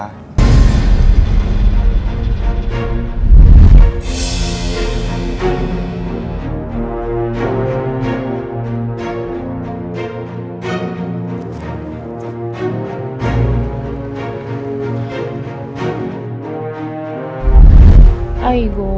aku sudah berangkat sama siapa